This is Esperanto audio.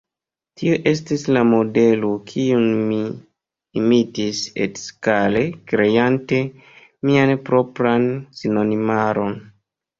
Tiu estis la modelo, kiun mi imitis etskale kreante mian propran sinonimaron.